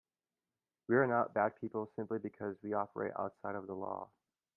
We are not bad people simply because we operate outside of the law.